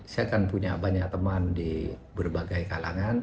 saya kan punya banyak teman di berbagai kalangan